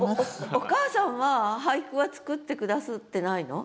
お母さんは俳句は作って下すってないの？